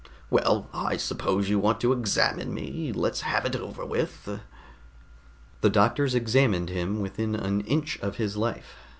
Well, I suppose you want to examine me. Let's have it over with." The doctors examined him within an inch of his life.